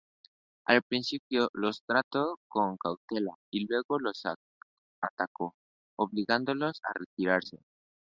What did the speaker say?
Al principio los trató con cautela y luego los atacó, obligándolos a retirarse.